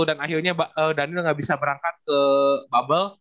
dan akhirnya daniel gak bisa berangkat ke bubble